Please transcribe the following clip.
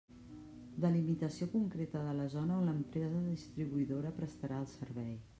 Delimitació concreta de la zona on l'empresa distribuïdora prestarà el servei.